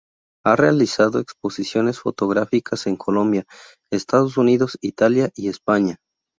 Ha realizado exposiciones fotográficas en Colombia; Estados Unidos; Italia y España.